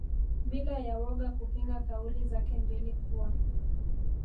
bila ya woga kupinga kauli zake mbili kuwa